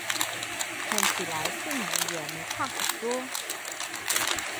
看起来性能也没差很多